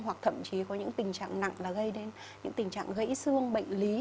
hoặc thậm chí có những tình trạng nặng là gây đến những tình trạng gãy xương bệnh lý